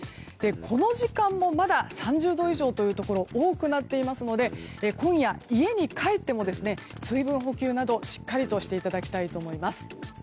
この時間もまだ３０度以上というところが多くなっていますので今夜、家に帰っても水分補給などしっかりとしていただきたいと思います。